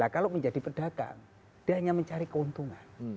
kalau menjadi pedagang dia hanya mencari keuntungan